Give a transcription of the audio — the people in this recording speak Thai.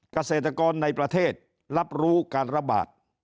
เกษตรกรในประเทศรับรู้การระบาด